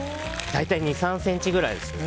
大体２３ｃｍくらいですね。